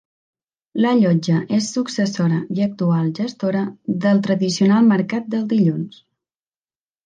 La Llotja és successora i actual gestora del tradicional Mercat del Dilluns.